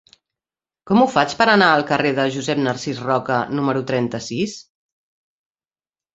Com ho faig per anar al carrer de Josep Narcís Roca número trenta-sis?